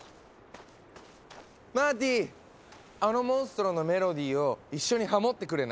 あのモンストロのメロディーを一緒にハモってくれない？